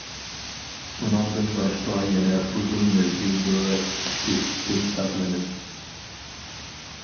ئۇنىڭدىن باشقا يەنە ئۇزۇن مەزگىل دورا ئىشلىتىشتىن ساقلىنىپ.